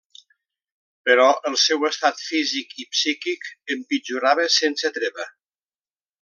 Però el seu estat físic i psíquic empitjorava sense treva.